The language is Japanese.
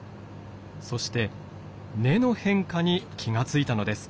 そして根の変化に気が付いたのです。